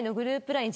ＬＩＮＥ